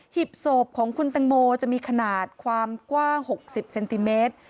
หีบศพของคุณตังโมจะมีขนาดความกว้าง๖๐เซนติเมตร